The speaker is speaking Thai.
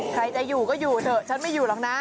ใครจะอยู่ก็อยู่เถอะฉันไม่อยู่หรอกนะ